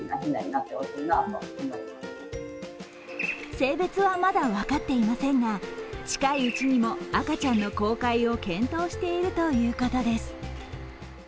性別はまだ分かっていませんが近いうちにも赤ちゃんの公開を検討しているということです。